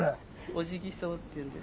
オジギソウっていうんです。